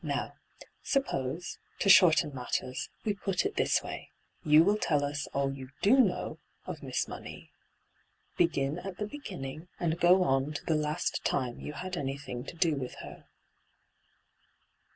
Now, suppose, to shorten matters, we put it this way : You will tell us all you do know of Miss Money — begin at the be^nning, and go on to the last time you had anything to do with her.'